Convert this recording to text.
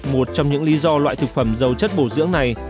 một trong những lý do loại thực phẩm dầu chất bổ dưỡng này